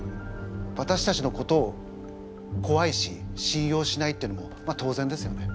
わたしたちのことをこわいし信用しないっていうのもまあ当然ですよね。